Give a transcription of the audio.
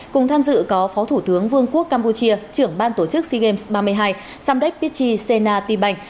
cùng tham dự có phó thủ tướng vương quốc campuchia trưởng ban tổ chức sea games ba mươi hai samdech pichy sena ti bành